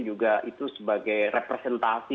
juga itu sebagai representasi